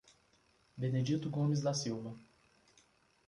Benedito Gomes da Silva